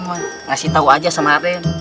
beritahu saja sama raden